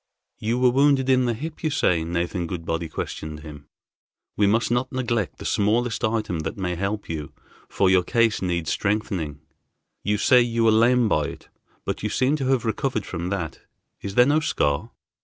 "You were wounded in the hip, you say," Nathan Goodbody questioned him. "We must not neglect the smallest item that may help you, for your case needs strengthening. You say you were lamed by it but you seem to have recovered from that. Is there no scar?"